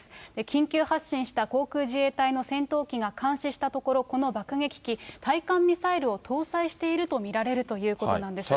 緊急発進した航空自衛隊の戦闘機が監視したところ、この爆撃機、対艦ミサイルを搭載していると見られるということなんです。